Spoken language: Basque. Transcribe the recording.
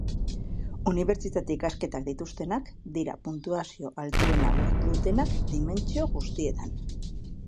Unibertsitate-ikasketak dituztenak dira puntuazio altuena lortu dutenak dimentsio guztietan.